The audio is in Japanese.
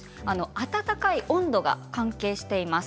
温かい温度が関係しています。